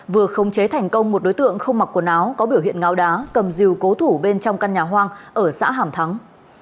vừa khống chế thành công một đối tượng không mặc quần áo có biểu hiện ngáo đá cầm dìu cố thủ bên trong căn nhà hoang ở xã hàm thắng